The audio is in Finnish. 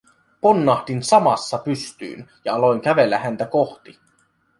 Ponnahdin samassa pystyyn ja aloin kävellä häntä kohti.